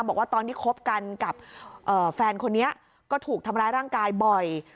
บอกว่าตอนที่คบกันกับแฟนคนนี้ก็ถูกทำร้ายร่างกายบ่อย